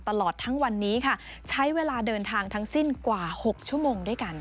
ตลอดทั้งวันนี้ค่ะใช้เวลาเดินทางทั้งสิ้นกว่า๖ชั่วโมงด้วยกัน